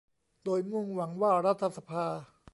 โดยมุ่งหวังว่ารัฐสภา